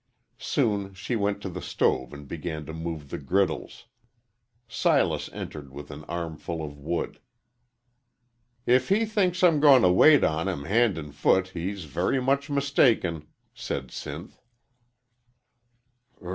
Soon she went to the stove and began to move the griddles. Silas entered with an armful of wood. "If he thinks I'm goin' to wait on him hand an' foot, he's very much mistaken," said Sinth.